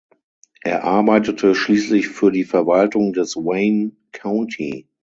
Er arbeitete schließlich für die Verwaltung des Wayne County.